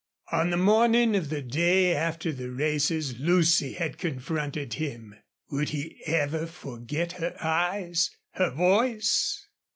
On the morning of the day after the races Lucy had confronted him. Would he ever forget her eyes her voice?